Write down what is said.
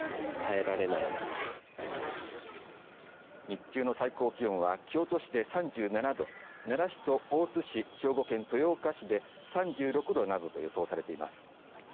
日中の最高気温は京都市で３７度奈良市と大津市兵庫県豊岡市で３６度などと予想されています。